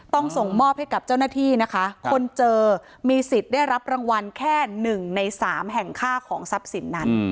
ต้องส่งมอบให้กับเจ้าหน้าที่นะคะคนเจอมีสิทธิ์ได้รับรางวัลแค่๑ใน๓แห่งค่าของทรัพย์สินนั้น